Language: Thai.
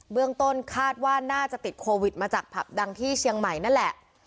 เรื่องต้นคาดว่าน่าจะติดโควิดมาจากผับดังที่เชียงใหม่นั่นแหละ